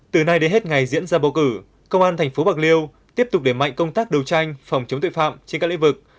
từ nay đến hết ngày diễn ra bầu cử công an tp bạc liêu tiếp tục để mạnh công tác đấu tranh phòng chống tội phạm trên các lĩnh vực